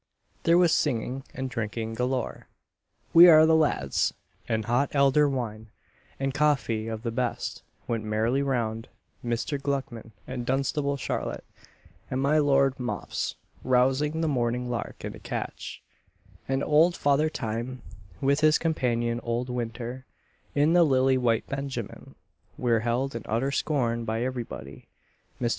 There was singing and drinking galore "We are the lads," and hot elder wine, and coffee of the best, went merrily round; Mr. Gluckman, and Dunstable Charlotte, and my Lord Mops, "roused the morning lark in a catch;" and old Father Time, with his companion old Winter, in the lily white benjamin, were held in utter scorn by every body. Mr.